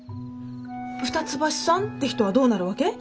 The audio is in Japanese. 二ツ橋さんって人はどうなるわけ？